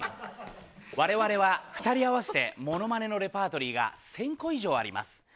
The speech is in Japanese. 我々は２人合わせてモノマネのレパートリーが１０００個以上あります。